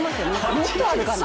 もっとあるかな。